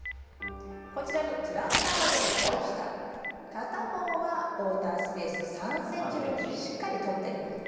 片方はウォータースペース３ｃｍ分しっかりとっているもの。